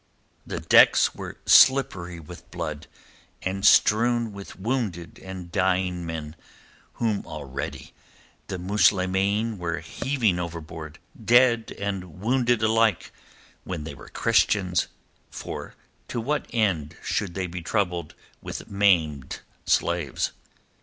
The decks were slippery with blood, and strewn with wounded and dying men, whom already the Muslimeen were heaving overboard—dead and wounded alike when they were Christians, for to what end should they be troubled with maimed slaves?